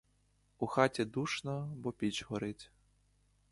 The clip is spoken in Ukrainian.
У хаті душно, бо піч горить.